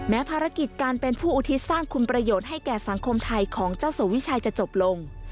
ภารกิจการเป็นผู้อุทิศสร้างคุณประโยชน์ให้แก่สังคมไทยของเจ้าสัววิชัยจะจบลง